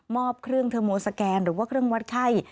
เครื่องเทอร์โมสแกนหรือว่าเครื่องวัดไข้